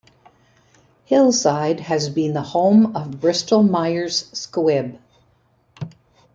Hillside has been the home of Bristol-Myers Squibb.